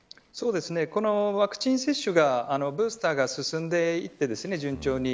ワクチン接種がブースターが進んでいって順調に。